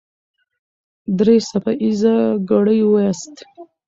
درې څپه ايزه ګړې وواياست.